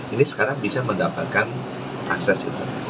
ini sekarang bisa mendapatkan akses itu